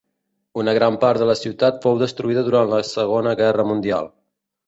Una gran part de la ciutat fou destruïda durant la Segona Guerra Mundial.